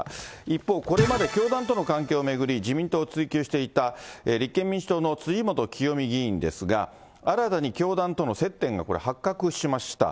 一方、これまで教団との関係を巡り自民党を追及していた立憲民主党の辻元清美議員ですが、新たに教団との接点がこれ、発覚しました。